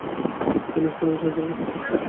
তিনি উসমানিয়া বিশ্ববিদ্যালয়ের প্রতিষ্ঠাতা।